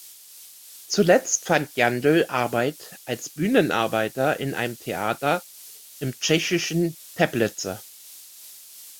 Zuletzt fand Jandl Arbeit als Bühnenarbeiter in einem Theater im tschechischen Teplice.